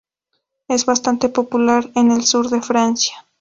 Es bastante popular en el sur de Francia.